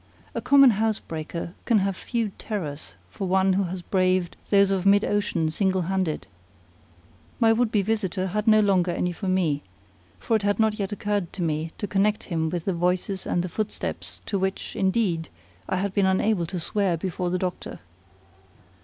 A common housebreaker can have few terrors for one who has braved those of mid ocean single handed; my would be visitor had no longer any for me; for it had not yet occurred to me to connect him with the voices and the footsteps to which, indeed, I had been unable to swear before the doctor.